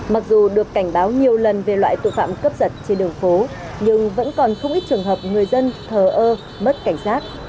mặc dù được cảnh báo nhiều lần về loại tội phạm cướp giật trên đường phố nhưng vẫn còn không ít trường hợp người dân thờ ơ mất cảnh sát